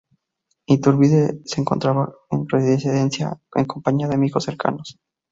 Iturbide se encontraba en su residencia en compañía de amigos cercanos.